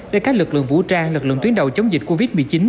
để các lực lượng vũ trang lực lượng tuyến đầu chống dịch covid một mươi chín